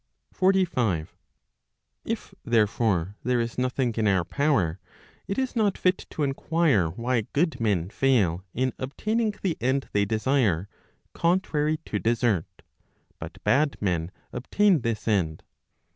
45. If, therefore, there is nothing in our power, it is not fit to enquire why good men fail in obtaining the end they desire, contrary to desert, but bad men obtain this end.